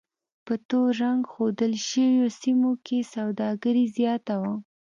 په تور رنګ ښودل شویو سیمو کې سوداګري زیاته وه.